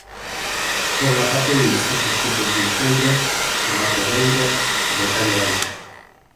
Forma parte de distintos tipos de uceiras e matogueiras de talle baixo.